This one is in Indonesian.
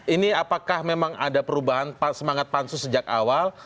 ini apakah memang ada perubahan semangat pansus sejak awal